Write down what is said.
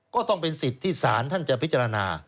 ก็ต้องเป็นสิทธิ์ที่ศาลท่านจะพิจารณา